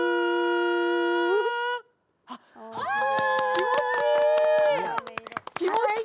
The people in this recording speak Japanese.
気持ちいい。